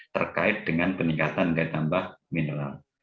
terkait dengan peningkatan dan tambah mineral